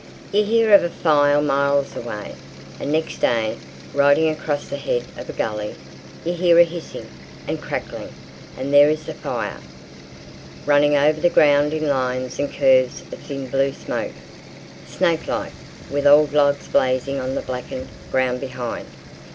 You hear of a fire miles away, and next day, riding across the head of a gully, you hear a hissing and crackling and there is the fire running over the ground in lines and curves of thin blue smoke, snakelike, with old logs blazing on the blackened ground behind.